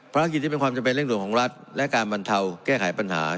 ภารกิจที่เป็นความจำเป็นเร่งด่วนของรัฐและการบรรเทาแก้ไขปัญหา